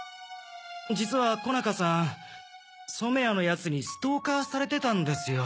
実は小中さん染谷の奴にストーカーされてたんですよ。